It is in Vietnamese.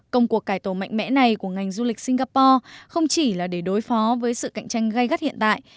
công cuộc cải tổ mạnh mẽ này của ngành du lịch singapore không chỉ là để đối phó với sự cạnh tranh gây gắt hiện tại